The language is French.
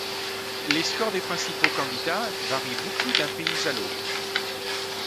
Les scores des principaux candidats varient beaucoup d'un pays à l'autre.